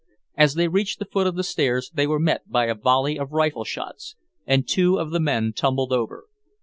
As they reached the foot of the stairs, they were met by a volley of rifle shots, and two of the men tumbled over.